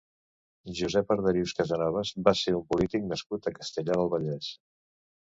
Josep Arderius Casanovas va ser un polític nascut a Castellar del Vallès.